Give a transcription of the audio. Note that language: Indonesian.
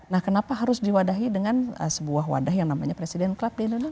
nah kenapa harus diwadahi dengan sebuah wadah yang namanya presiden club di indonesia